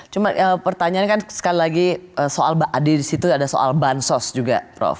cuma pertanyaannya kan sekali lagi di situ ada soal bansos juga prof